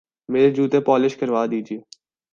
میرے جوتے پالش کروا دیجئے